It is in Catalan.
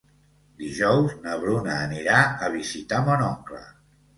Dijous na Bruna anirà a visitar mon oncle.